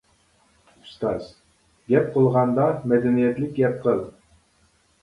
ئۇستاز : گەپ قىلغاندا مەدەنىيەتلىك گەپ قىل.